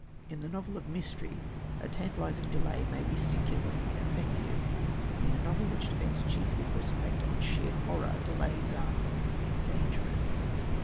In the novel of mystery a tantalising delay may be singularly effective. In a novel which depends chiefly for its effect on sheer horror, delays are merely dangerous.